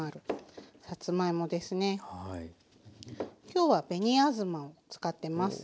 今日は紅あずまを使ってます。